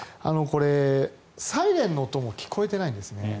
サイレンの音も聞こえてないんですね。